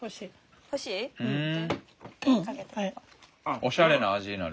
おしゃれな味になる。